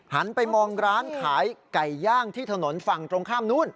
หันไปมองร้านขายไก่ย่างที่ถนนฝั่งตรงข้ามนู้น